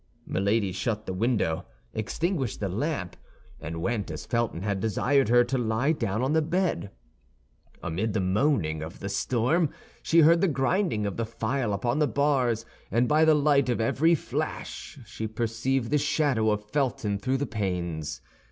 Milady shut the window, extinguished the lamp, and went, as Felton had desired her, to lie down on the bed. Amid the moaning of the storm she heard the grinding of the file upon the bars, and by the light of every flash she perceived the shadow of Felton through the panes.